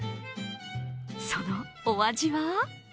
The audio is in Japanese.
そのお味は？